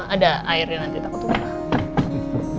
ada airnya nanti takut takut